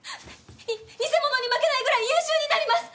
偽者に負けないぐらい優秀になります！